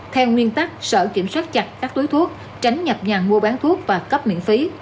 theo nguyên tắc sở kiểm soát chặt các túi thuốc tránh nhập nhàn mua bán thuốc và cấp miễn phí